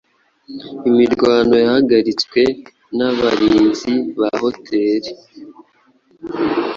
Imirwano yahagaritswe n’abarinzi ba Hotel